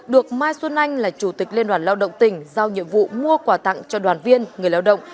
được mai xuân anh là chủ tịch liên đoàn lao động tỉnh giao nhiệm vụ mua quà tặng cho đoàn viên người lao động